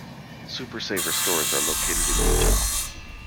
Super Saver stores are located in Utah.